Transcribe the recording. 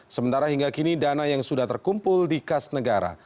sementara hingga kini dana yang sudah terkumpul di kas negara